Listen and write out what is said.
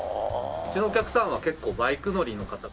うちのお客さんは結構バイク乗りの方が。